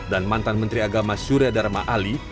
dan mantan menteri agama surya dharma ali